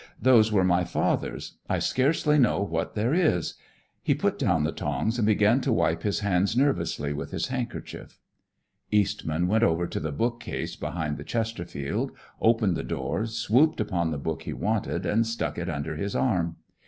Those were my father's. I scarcely know what there is." He put down the tongs and began to wipe his hands nervously with his handkerchief. Eastman went over to the bookcase behind the Chesterfield, opened the door, swooped upon the book he wanted and stuck it under his arm.